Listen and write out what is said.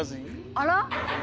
あら！？